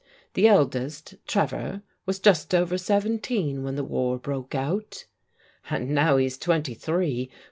The eldest, Trevor, was just over seventeen when the war broke out" "And now he's twenty three.